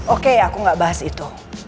oke aku gak bahas itu